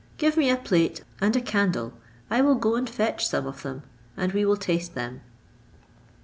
Give me a plate and a candle, I will go and fetch some of them, and we will taste them."